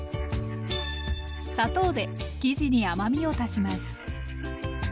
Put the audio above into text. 砂糖で生地に甘みを足します。